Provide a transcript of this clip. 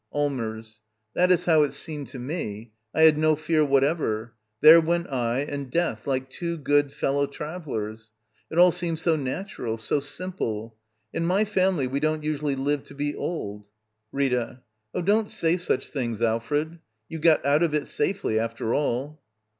Allmers. That is how it seemed to me. I had no fear whatever. ThciS^jyent I a nd death, l ike two good fellow travellers. It all seemed so natural — ^lo'suSpIe. iiTmy family, we don't usually live to be old — Rita. Oh, don't say such things, Alfred I You got out of it safely, after all.